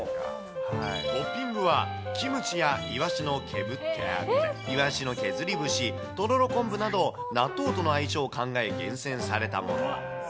トッピングはキムチやイワシの削った、イワシの削り節、とろろ昆布など、納豆との相性を考え厳選されたもの。